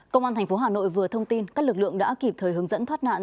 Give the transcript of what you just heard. công an thành phố hà nội vừa thông tin các lực lượng đã kịp thời hướng dẫn thoát nạn